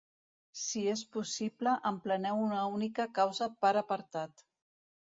Si és possible, empleneu una única causa per apartat.